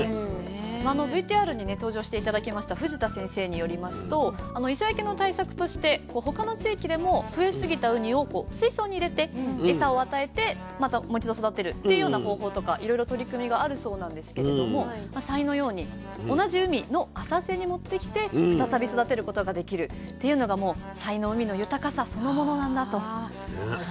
ＶＴＲに登場して頂きました藤田先生によりますと磯焼けの対策として他の地域でも増えすぎたウニを水槽に入れてエサを与えてまたもう一度育てるっていうような方法とかいろいろ取り組みがあるそうなんですけれども佐井のように同じ海の浅瀬に持ってきて再び育てることができるっていうのがもう佐井の海の豊かさそのものなんだとおっしゃっていました。